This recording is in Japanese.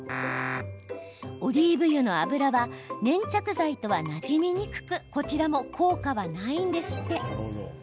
オリーブ油の油は粘着剤とはなじみにくくこちらも効果はないんですって。